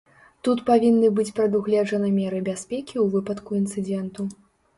Тут павінны быць прадугледжаны меры бяспекі ў выпадку інцыдэнту.